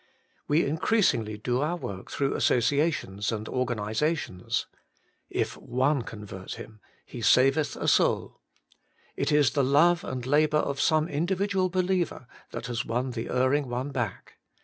We increasingly do our work through as sociations and organisations. * If one con yert him, he saveth a soul ;' it is the love Working for God 145 and labour of some individual believer that has won the erring one back.